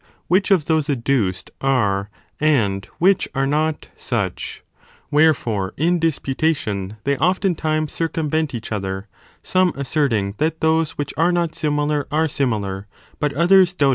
which of those adduced are, and which are not, such. Wherefore in disputation they often times circumvent each other, some asserting that those which are not similar are similar, but others doubting whether simi lars are not similars.!